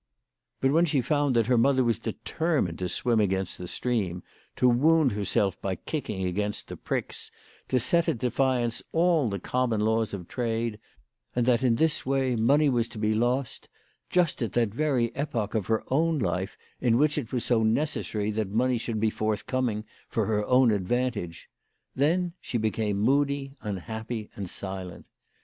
But when she found that her mother was determined to swim against the stream, to wound herself by kicking against the pricks, to set at defiance all the common laws of trade, and that in this WHY FRAU FROHMANN RAISED HER PRICES. 59 way money was to be lost, just at that very epoch of her own life in which it was so necessary that money should be forthcoming for her own advantage, then she became moody, unhappy, and silent.